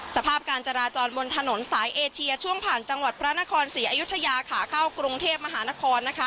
สภาพการจราจรบนถนนสายเอเชียช่วงผ่านจังหวัดพระนครศรีอยุธยาขาเข้ากรุงเทพมหานคร